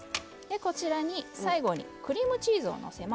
こちらに最後にクリームチーズをのせます。